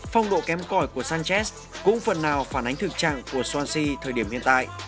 phong độ kém cõi của sanchez cũng phần nào phản ánh thực trạng của swansea thời điểm hiện tại